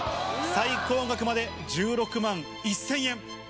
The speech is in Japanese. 最高額まで１６万１０００円。